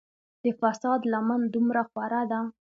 د فساد لمن دومره خوره ده.